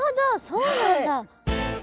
そうなんだ。